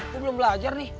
gue belum belajar nih